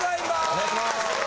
お願いします。